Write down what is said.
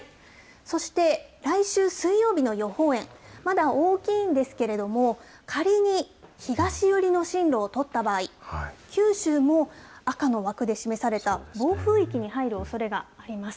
そして、来週水曜日の予報円、まだ大きいんですけれども、仮に東寄りの進路を取った場合、九州も、赤の枠で示された暴風域に入るおそれがあります。